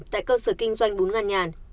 tại cơ sở kinh doanh bún ngăn nhàn